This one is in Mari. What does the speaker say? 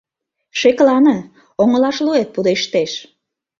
Шеклане — оҥылашлуэт пудештеш!..